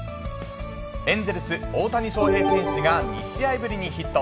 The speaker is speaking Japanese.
エンゼルス、大谷翔平選手が２試合ぶりにヒット。